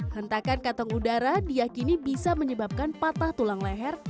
hentakan kantong udara diakini bisa menyebabkan patah tulang leher